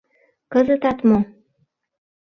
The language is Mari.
— Кызытат мо?